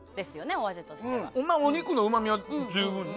お肉のうまみは十分にね。